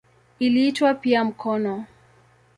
Iliitwa pia "mkono".